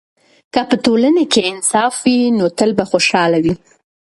که په ټولنه کې انصاف وي، نو تل به خوشحاله وي.